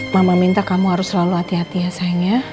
mama minta kamu harus selalu hati hati ya sayang ya